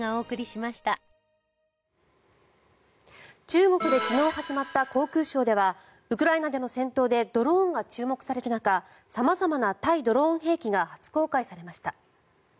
中国で昨日始まった航空ショーではウクライナでの戦闘でドローンが注目される中様々な対ドローン兵器が初公開されました。